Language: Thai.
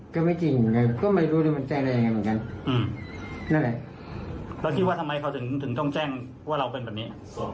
แล้วคิดว่าทำไมเขาถึงต้องแจ้งว่าเราเป็นแบบนี้